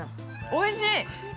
おいしい！